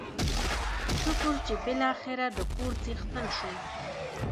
شکر چې بلاخره دکور څښتن شوم.